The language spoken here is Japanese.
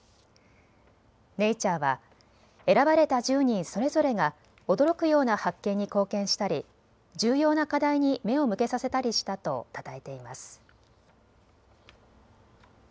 ネイチャーは、選ばれた１０人それぞれが驚くような発見に貢献したり重要な課題に目を向けさせたりしたとたたえています。